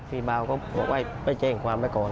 พี่เบาก็บอกว่าไปแจ้งความไว้ก่อน